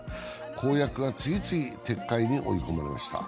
公約が次々と撤回に追い込まれました。